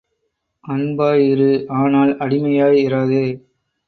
அன்பாய் இரு ஆனால் அடிமையாய் இராதே.